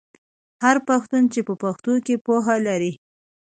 هر پښتون چې په پښتو کې پوهه لري.